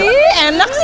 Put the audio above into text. iya enak sih